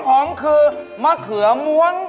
ของผมคือมะเขือม่วง